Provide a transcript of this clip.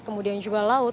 kemudian juga laut